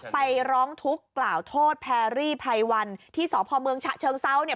ไปร้องทุกข์กล่าวโทษแพรรี่ไพรวันที่สพเมืองฉะเชิงเซาเนี่ย